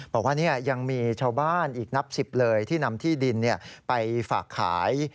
บอกว่ายังมีชาวบ้านอีกนับ๑๐เลยที่นำที่ดินไปฝากขาย